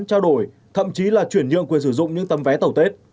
trao đổi thậm chí là chuyển nhượng quyền sử dụng những tấm vé tàu tết